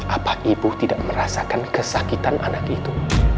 apa ibu tidak merasakan kesakitan anak itu